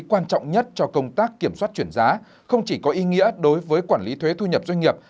quan trọng nhất cho công tác kiểm soát chuyển giá không chỉ có ý nghĩa đối với quản lý thuế thu nhập doanh nghiệp